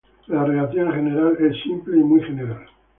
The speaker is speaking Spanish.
La reacción en general es simple y muy general.